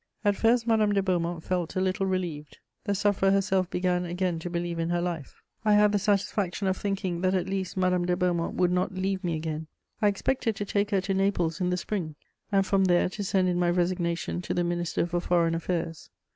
At first, Madame de Beaumont felt a little relieved. The sufferer herself began again to believe in her life. I had the satisfaction of thinking that at least Madame de Beaumont would not leave me again: I expected to take her to Naples in the spring, and from there to send in my resignation to the Minister for Foreign Affairs.